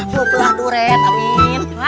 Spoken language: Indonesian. membelah duret amin